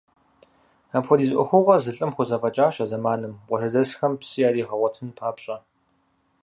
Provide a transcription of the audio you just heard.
Апхуэдиз ӏуэхугъуэ зы лӏым хузэфӏэкӏащ а зэманым, къуажэдэсхэм псы яригъэгъуэтын папщӏэ.